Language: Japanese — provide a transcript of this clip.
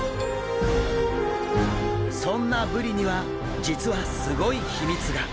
そんなブリには実はすごい秘密が！